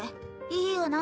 いいよな